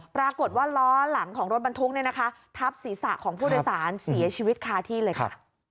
ปรากฏว่าล้อหลังของรถบรรทุกทับศีรษะของผู้โดยสารเสียชีวิตคาที่เลยค่ะ